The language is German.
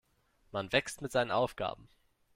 Man wächst mit seinen Aufgaben.